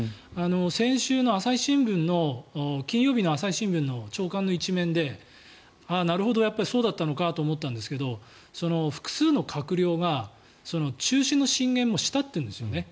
先週の朝日新聞の金曜日の朝刊の１面でなるほど、そうだったのかと思ったんですけど複数の閣僚が中止の進言もしたというんですね。